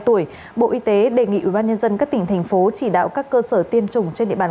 một mươi hai tuổi bộ y tế đề nghị ubnd các tỉnh thành phố chỉ đạo các cơ sở tiêm chủng trên địa bàn